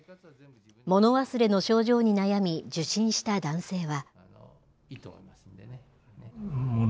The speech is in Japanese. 物忘れの症状に悩み、受診した男性は。